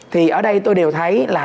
thì ở đây tôi đều thấy là